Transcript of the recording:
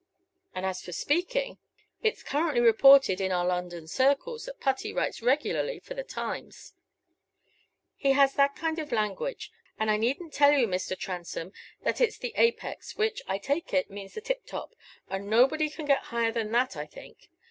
And as for speaking it's currently reported in our London circles that Putty writes regularly for the Times. He has that kind of language; and I needn't tell you, Mr. Transome, that it's the apex, which, I take it, means the tiptop and nobody can get higher than that, I think.